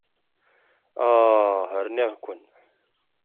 Ah! Rniɣ-ken.